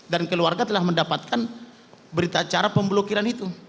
dan keluarga telah mendapatkan berita acara pemblokiran itu